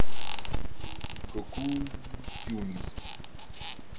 Gokū Jr.